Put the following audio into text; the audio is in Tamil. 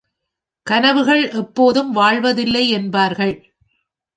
கனவுகள் எப்போதும் வாழ்வதில்லை என்பார்கள்.